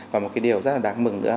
và một cái điều rất là đáng mừng nữa